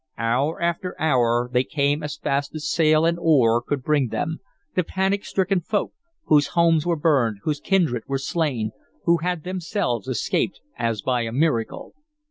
Hour after hour they came as fast as sail and oar could bring them, the panic stricken folk, whose homes were burned, whose kindred were slain, who had themselves escaped as by a miracle.